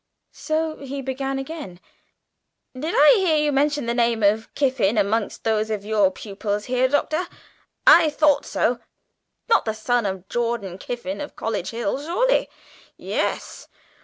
So he began again: "Did I hear you mention the name of Kiffin amongst those of your pupils here, Doctor? I thought so. Not the son of Jordan Kiffin, of College Hill, surely? Yes?